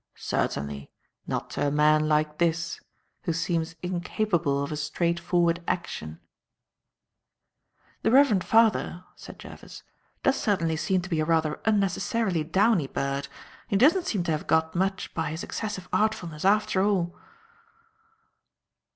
Certainly, not to a man like this, who seems incapable of a straight forward action." "The reverend father," said Jervis, "does certainly seem to be a rather unnecessarily downy bird. And he doesn't seem to have got much by his excessive artfulness, after all."